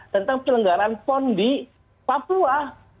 tentang penyelenggaran pon di papua